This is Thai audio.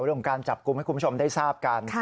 เรื่องของการจับกลุ่มให้คุณผู้ชมได้ทราบกัน